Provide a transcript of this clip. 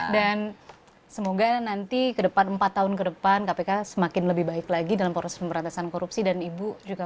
dan semoga nanti ke depan empat tahun ke depan kpk semakin lebih baik lagi dalam proses pemberantasan korupsi dan ibu juga